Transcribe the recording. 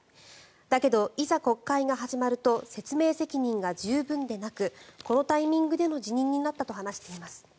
だけど、いざ国会が始まると説明責任が十分でなくこのタイミングでの辞任になったと話しています。